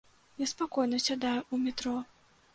Я спакойна сядаю ў метро.